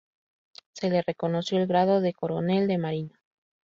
Se le reconoció el grado de coronel de marina.